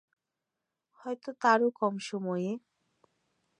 হয়তো তারও কম সময়ে।